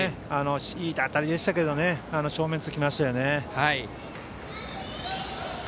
いい当たりでしたが正面突きましたね。